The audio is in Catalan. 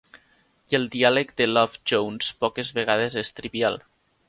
I el diàleg de "Love Jones" poques vegades és trivial.